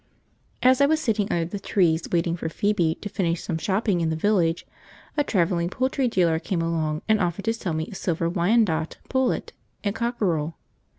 As I was sitting under the trees waiting for Phoebe to finish some shopping in the village, a travelling poultry dealer came along and offered to sell me a silver Wyandotte pullet and cockerel.